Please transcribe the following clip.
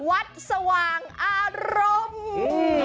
วัดสว่างอารมณ์